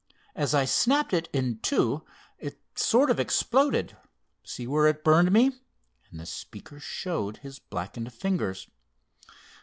As I snapped it in two, it sort of exploded. See where it burned me?" and the speaker showed his blackened fingers.